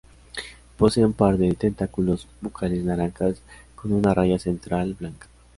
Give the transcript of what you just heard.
Posee un par de tentáculos bucales naranjas con una raya central blanca.